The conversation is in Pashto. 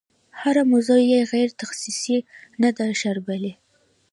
هره موضوع یې غیر تخصصي نه ده شاربلې.